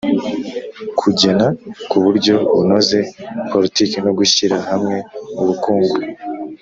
kugena ku buryo bunoze politiki no gushyira hamwe ubukungu